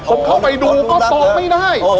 ผมเข้าไปดูก็ตอบไม่ได้